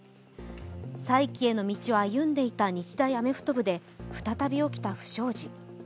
再起への道を歩んでいた日大アメフト部で再び起きた不祥事。